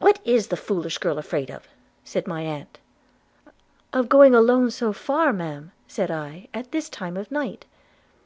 'What is the foolish girl afraid of?' said my aunt. 'Of going alone so far, Ma'am,' said I, 'at this time of night.'